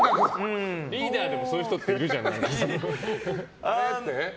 リーダーでもそういう人っているじゃん。